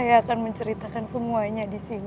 iya saya akan menceritakan semuanya disini